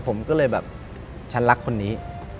ผมก็เลยแบบฉันรักคนนี้